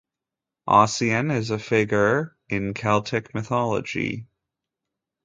Ossian is a figure in Celtic mythology.